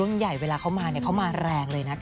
เรื่องใหญ่เวลาเข้ามาเนี่ยเข้ามาแรงเลยนะคะ